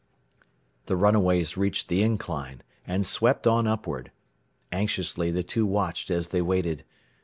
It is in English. The runaways reached the incline, and swept on upward. Anxiously the two watched as they waited.